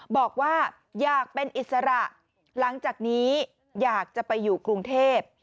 บอกว่าอยากเป็นอิสระหลังจากนี้อยากจะไปอยู่กรุงเทพ